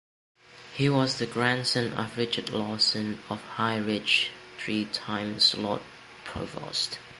He was the grandson of Richard Lawson of High Riggs three times Lord Provost.